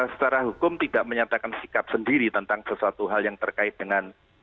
secara hukum tidak menyatakan sikap sendiri tentang sesuatu hal yang terkait dengan